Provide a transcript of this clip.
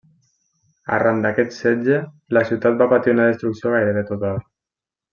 Arran d'aquest setge, la ciutat va patir una destrucció gairebé total.